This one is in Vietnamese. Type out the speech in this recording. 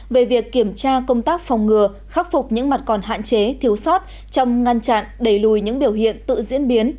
về việc kiểm tra công tác phòng ngừa khắc phục những mặt còn hạn chế thiếu sót trong ngăn chặn đẩy lùi những biểu hiện tự diễn biến